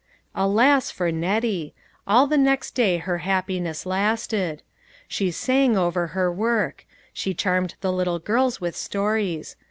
Alas for Nettie ! All the next day her hap piness lasted. She sang over her work ; she charmed the little girls with stories.